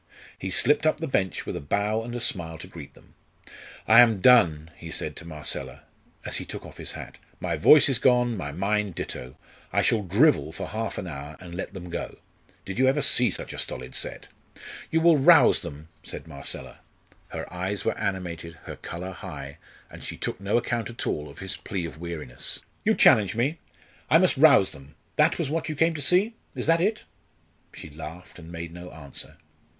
He slipped up the bench with a bow and a smile to greet them. "I am done!" he said to Marcella, as he took off his hat. "My voice is gone, my mind ditto. I shall drivel for half an hour and let them go. Did you ever see such a stolid set?" "You will rouse them," said Marcella. Her eyes were animated, her colour high, and she took no account at all of his plea of weariness. "You challenge me? I must rouse them that was what you came to see? Is that it?" She laughed and made no answer.